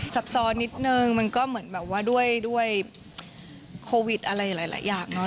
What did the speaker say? ซับซ้อนนิดนึงมันก็เหมือนแบบว่าด้วยโควิดอะไรหลายอย่างเนอ